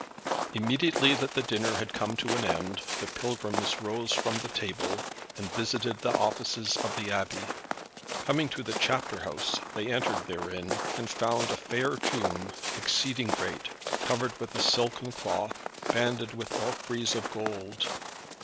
Immediately that the dinner had come to an end, the pilgrims rose from table, and visited the offices of the Abbey. Coming to the chapter house they entered therein, and found a fair tomb, exceeding great, covered with a silken cloth, banded with orfreys of gold.